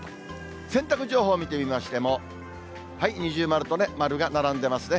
洗濯情報見てみましても、二重丸と丸が並んでますね。